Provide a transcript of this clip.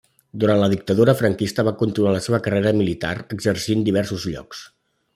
Durant la Dictadura franquista va continuar la seva carrera militar, exercint diversos llocs.